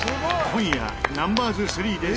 今夜ナンバーズ３で。